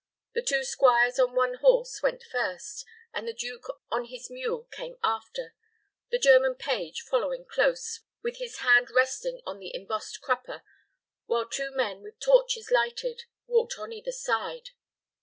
The two squires on one horse went first, and the duke on his mule came after, the German page following close, with his hand resting on the embossed crupper, while two men, with torches lighted, walked on either side.